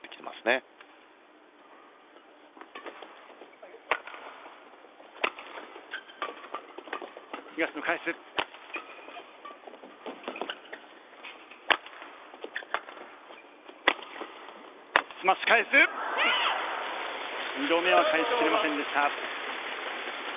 ただ、２度目は返しきれませんでした。